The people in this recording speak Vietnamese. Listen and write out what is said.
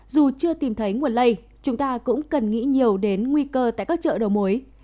dù chưa tìm thấy nguồn lây chúng ta cũng cần nghĩ nhiều đến nguy cơ tại các chợ đầu mối